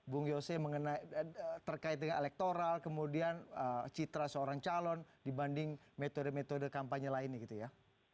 bung yose terkait dengan elektoral kemudian citra seorang calon dibanding metode metode kampanye lainnya gitu ya